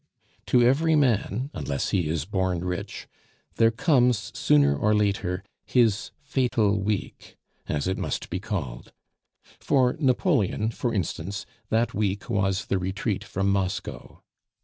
To every man, unless he is born rich, there comes sooner or later "his fatal week," as it must be called. For Napoleon, for instance, that week was the Retreat from Moscow.